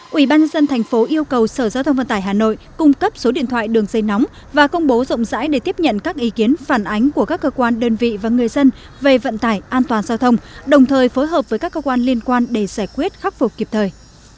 quỹ ban dân thành phố yêu cầu sở giao thông vận tải hà nội cung cấp số điện thoại đường dây nóng và công bố rộng rãi để tiếp nhận các ý kiến phản ánh của các cơ quan đơn vị và người dân về vận tải an toàn giao thông đồng thời phối hợp với các cơ quan liên quan để giải quyết khắc phục kịp thời